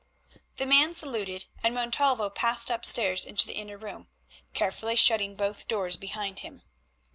The man saluted, and Montalvo passed upstairs into the inner room, carefully shutting both doors behind him.